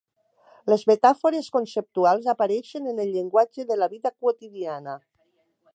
Les metàfores conceptuals apareixen en el llenguatge de la vida quotidiana.